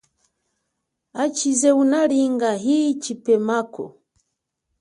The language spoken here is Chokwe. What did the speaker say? Achize unalinga hi chipemako.